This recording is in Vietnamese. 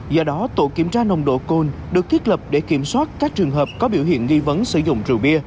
do đó tổ kiểm tra nồng độ cồn được thiết lập để kiểm soát các trường hợp có biểu hiện nghi vấn sử dụng rượu bia